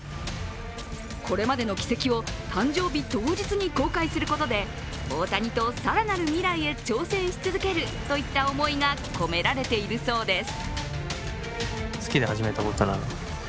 これまでの軌跡を誕生日当日に紹介することで大谷と更なる未来へ挑戦し続けるといった思いが込められているそうです。